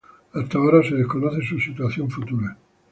Hasta ahora se desconoce su situación futura.